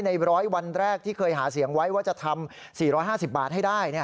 ใน๑๐๐วันแรกที่เคยหาเสียงไว้ว่าจะทำ๔๕๐บาทให้ได้